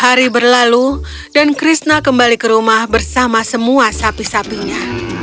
hari berlalu dan krishna kembali ke rumah bersama semua sapi sapinya